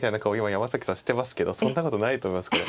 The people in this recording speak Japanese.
今山崎さんしてますけどそんなことないと思いますこれ。